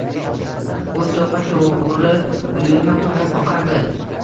U to‘ppa-to‘g‘ri uyurma tomon oqardi